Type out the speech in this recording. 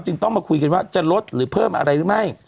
ต้องมาคุยกันว่าจะลดหรือเพิ่มอะไรหรือไม่